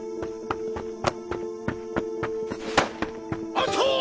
アウトー！